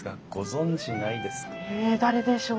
え誰でしょう。